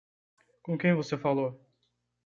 Com quem você falou?